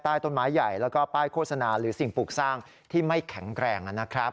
ต้นไม้ใหญ่แล้วก็ป้ายโฆษณาหรือสิ่งปลูกสร้างที่ไม่แข็งแกร่งนะครับ